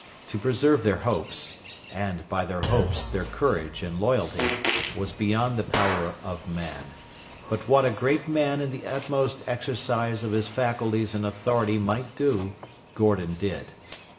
To preserve their hopes and, by their hopes, their courage and loyalty was beyond the power of man. But what a great man in the utmost exercise of his faculties and authority might do, Gordon did.